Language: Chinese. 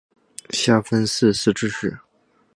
下分四自治市。